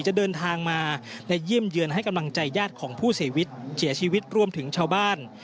จะเดินทางมาและเยี่ยมเยือนให้กำลังใจญาติของผู้เสียชีวิตเสียชีวิตรวมถึงชาวบ้าน